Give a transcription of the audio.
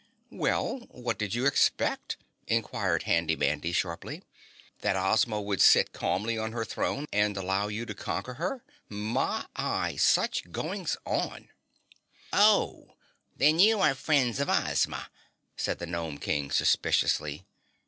"Well, what did you expect?" inquired Handy Mandy sharply. "That Ozma would sit calmly on her throne and allow you to conquer her? My y such goings on!" "Oh, then you are friends of Ozma?" said the Gnome King suspiciously.